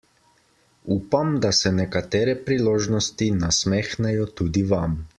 Upam, da se nekatere priložnosti nasmehnejo tudi Vam.